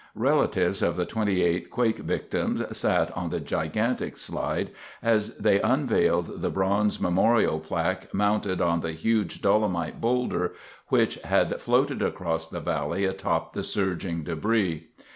Relatives of the 28 quake victims sat on the gigantic slide as they unveiled the bronze memorial plaque mounted on the huge dolomite boulder which had floated across the valley atop the surging debris.